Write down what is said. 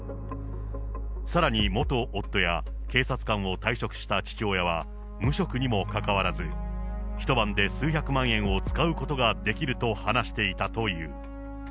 さらに元夫や警察官を退職した父親は無職にもかかわらず、一晩で数百万円を使うことができると話していたという。